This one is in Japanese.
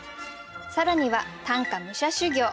更には短歌武者修行。